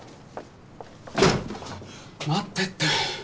待ってって。